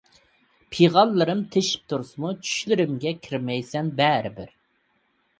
پىغانلىرىم تېشىپ تۇرسىمۇ، چۈشلىرىمگە كىرمەيسەن بىرەر.